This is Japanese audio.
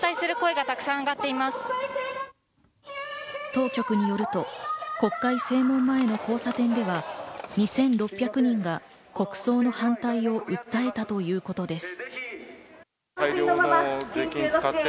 当局によると、国会正門前の交差点では２６００人が国葬の反対を訴えたということです。